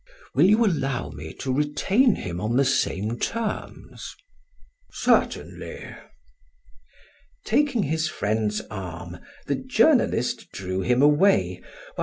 Will you allow me to retain him on the same terms?" "Certainly." Taking his friend's arm, the journalist drew him away, while M.